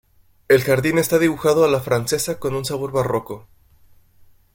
El jardín está dibujado a la francesa con un sabor barroco.